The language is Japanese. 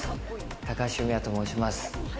高橋文哉と申します。